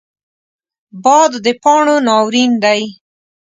باد د پاڼو ناورین دی